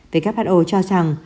who cho rằng